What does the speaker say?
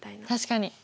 確かに。